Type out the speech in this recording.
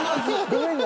ごめんな。